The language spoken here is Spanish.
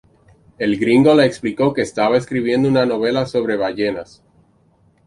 El gringo le explicó que estaba escribiendo una novela sobre ballenas.